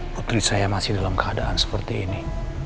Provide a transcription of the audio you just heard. putri saya masih dalam keadaan seperti ini